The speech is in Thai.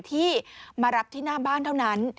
ที่มารับที่หน้าบ้านเท่านั้น